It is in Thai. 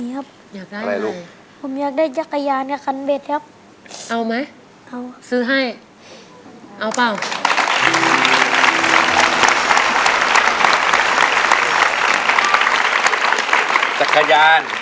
มีครับอยากได้อะไรผมอยากได้จักรยานกับคันเบ็ดครับ